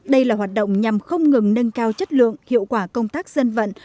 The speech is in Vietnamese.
đây là hoạt động nhằm không ngừng nâng cao chất lượng hiệu quả công tác dân vận